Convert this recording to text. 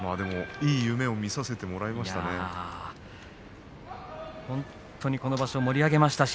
いい夢をみさせてもらいましたよ。